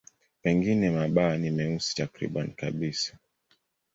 Pengine mabawa ni meusi takriban kabisa.